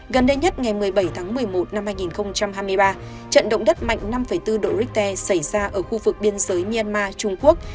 gần đây nhất ngày một mươi bảy tháng một mươi một năm hai nghìn hai mươi ba trận động đất mạnh năm bốn độ richter xảy ra ở khu vực biên giới myanmar trung quốc